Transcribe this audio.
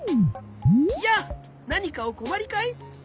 やあなにかおこまりかい？